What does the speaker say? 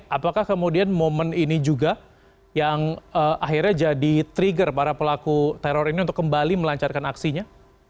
apakah kemudian momen ini juga yang akhirnya jadi trigger para pelaku teror ini untuk kembali melancarkan aksinya